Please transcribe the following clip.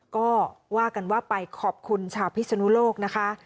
ก็ว่ากันว่าไปขอบคุณชาวพิศนุโลกนะคะ